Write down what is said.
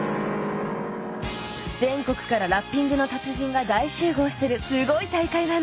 全国からラッピングの達人が大集合してるすごい大会なの！